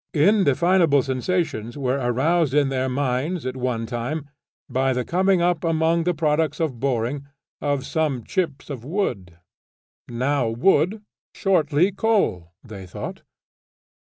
Indefinable sensations were aroused in their minds at one time by the coming up among the products of boring, of some chips of wood. Now wood, shortly coal, they thought.